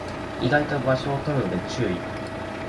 意外と場所を取るので注意